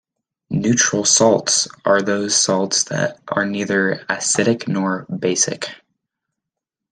"Neutral salts" are those salts that are neither acidic nor basic.